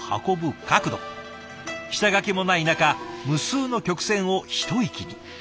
下書きもない中無数の曲線を一息に。